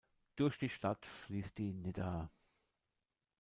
Durch die Stadt fließt die Nidda.